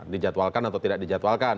dijadwalkan atau tidak dijadwalkan